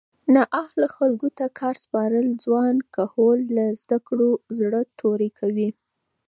نااهلو خلکو ته کار سپارل ځوان کهول له زده کړو زړه توری کوي